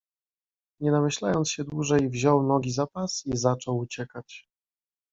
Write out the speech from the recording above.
"Nie namyślając się dłużej, wziął nogi za pas i zaczął uciekać."